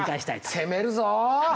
攻めるぞ！